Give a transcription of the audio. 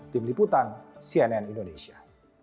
tim liputan cnn indonesia